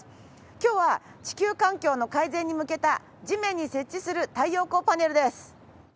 今日は地球環境の改善に向けた地面に設置する太陽光パネルです。